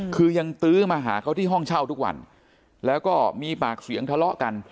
คือยังตื้อมาหาเขาที่ห้องเช่าทุกวันแล้วก็มีปากเสียงทะเลาะกัน